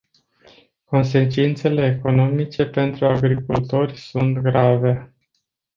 Consecințele economice pentru agricultori sunt grave.